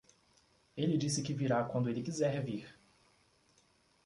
Ele disse que virá quando ele quiser vir.